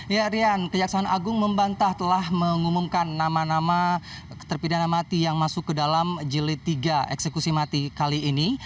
ya rian kejaksaan agung membantah telah mengumumkan nama nama terpidana mati yang masuk ke dalam jilid tiga eksekusi mati kali ini